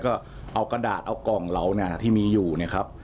ก็เอากระดาษเอากล่องเราที่มีอยู่นะครับ